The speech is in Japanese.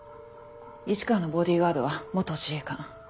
市川のボディーガードは自衛官。